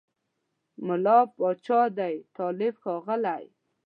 مُلا پاچا دی طالب ښاغلی